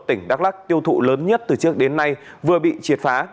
tỉnh đắk lắc tiêu thụ lớn nhất từ trước đến nay vừa bị triệt phá